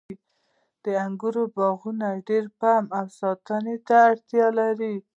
د انګورو باغونه ډیر پام او ساتنې ته اړتیا لري.